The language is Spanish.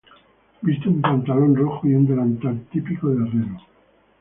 Viste un pantalón rojo y un delantal típico de herrero.